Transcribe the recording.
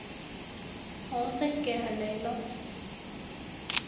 可惜嘅係你囉